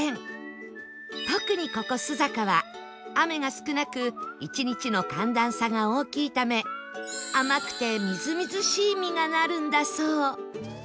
特にここ須坂は雨が少なく１日の寒暖差が大きいため甘くてみずみずしい実がなるんだそう